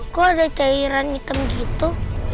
kok ada cairan hitam gitu